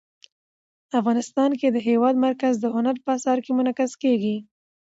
افغانستان کې د هېواد مرکز د هنر په اثار کې منعکس کېږي.